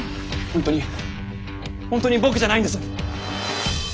本当に本当に僕じゃないんです。